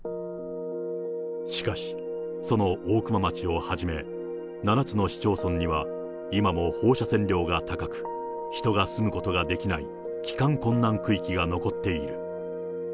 しかし、その大熊町をはじめ、７つの市町村には今も放射線量が高く、人が住むことができない帰還困難区域が残っている。